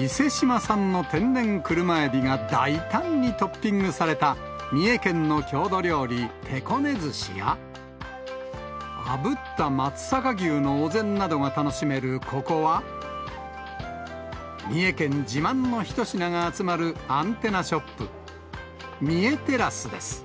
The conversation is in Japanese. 伊勢志摩産の天然車エビが大胆にトッピングされた三重県の郷土料理、てこね寿しや、あぶった松阪牛のお膳などが楽しめるここは、三重県自慢の一品が集まるアンテナショップ、三重テラスです。